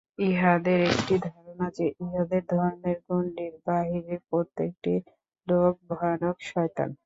ইঁহাদের একটি ধারণা যে, ইঁহাদের ধর্মের গণ্ডীর বাহিরে প্রত্যেকটি লোক ভয়ানক শয়তান।